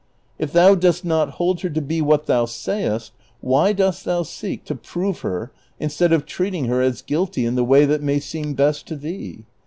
If thou dost not hold her to be what thou sayest, why dost thou seek to prove her instead of treating her as guilty in the way that may seem best to thee